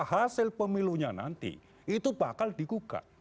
hasil pemilunya nanti itu bakal digugat